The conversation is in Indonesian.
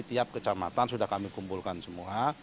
tiap kecamatan sudah kami kumpulkan semua